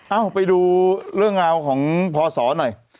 เอ้าไปดูเรื่องราวของพศหน่อย